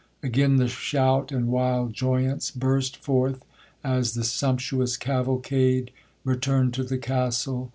Again the shout and wild joyance burst forth as the sumptuous cavalcade returned to the Castle.